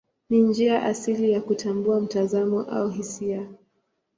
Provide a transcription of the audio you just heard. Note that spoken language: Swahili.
Ni njia asili ya kutambua mtazamo au hisia.